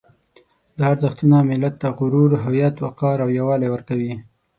دا ارزښتونه ملت ته غرور، هویت، وقار او یووالی ورکوي.